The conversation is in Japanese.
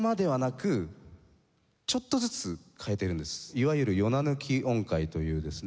いわゆる「四七抜き音階」というですね